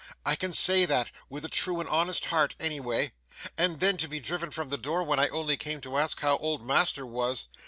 I can say that, with a true and honest heart, any way. And then to be driven from the door, when I only came to ask how old master was